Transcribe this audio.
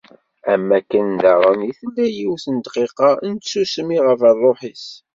Am wakken daɣen i d-tella yiwet n ddqiqa n tsusmi ɣef rruḥ-is.